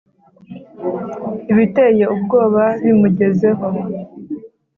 ibiteye ubwoba bimugezeho